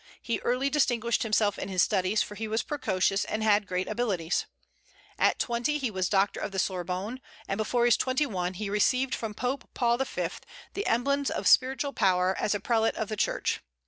He early distinguished himself in his studies, for he was precocious and had great abilities. At twenty he was doctor of the Sorbonne, and before he was twenty one he received from the Pope, Paul V., the emblems of spiritual power as a prelate of the Church.